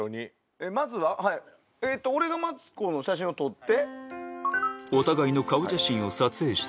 えっまずは俺がマツコの写真を撮って？